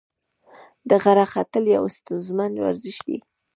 د غره ختل یو ستونزمن ورزش دی.